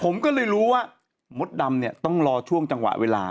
ผมก็ถึงรู้มดดำต้องรอช่วงจังหวะเวลา